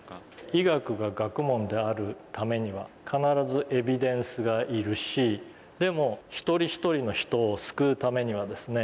医学が学問であるためには必ずエビデンスがいるしでも一人一人の人を救うためにはですね